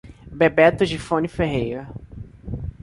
Bebeto Gifone Ferreira